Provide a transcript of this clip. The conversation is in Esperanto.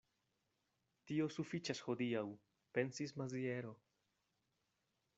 Tio sufiĉas hodiaŭ, pensis Maziero.